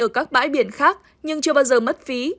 ở các bãi biển khác nhưng chưa bao giờ mất phí